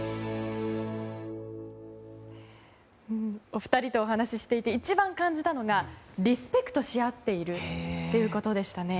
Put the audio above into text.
お二人とお話ししていて一番感じたのがリスペクトし合っているっていうことでしたね。